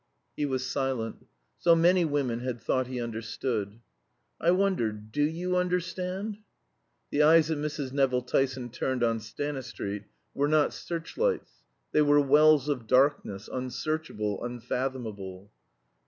He was silent. So many women had thought he understood. "I wonder do you understand!" The eyes that Mrs. Nevill Tyson turned on Stanistreet were not search lights; they were wells of darkness, unsearchable, unfathomable.